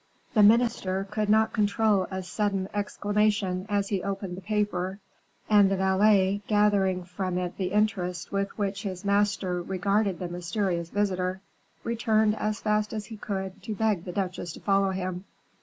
The minister could not control a sudden exclamation as he opened the paper; and the valet, gathering from it the interest with which his master regarded the mysterious visitor, returned as fast as he could to beg the duchesse to follow him.